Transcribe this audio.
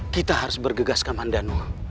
kita harus bergegas kamanano